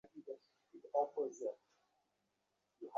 তাই আমাদের প্রতি তাদের শ্রদ্ধা ছিল।